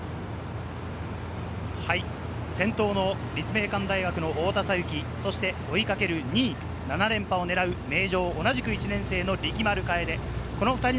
先頭の立命館大学の太田咲雪、そして追いかける２位、７連覇を狙う名城、同じく１年生の力丸楓。